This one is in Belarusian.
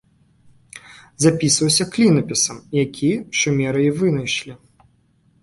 Запісваўся клінапісам, які шумеры і вынайшлі.